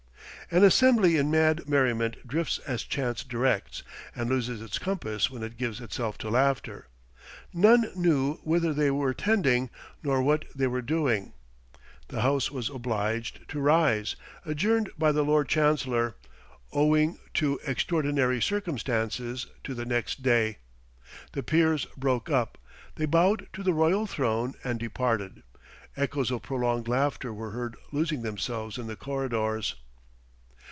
An assembly in mad merriment drifts as chance directs, and loses its compass when it gives itself to laughter. None knew whither they were tending, or what they were doing. The House was obliged to rise, adjourned by the Lord Chancellor, "owing to extraordinary circumstances," to the next day. The peers broke up. They bowed to the royal throne and departed. Echoes of prolonged laughter were heard losing themselves in the corridors.